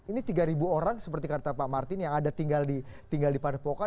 ini tiga orang seperti kata pak martin yang ada tinggal di padepokan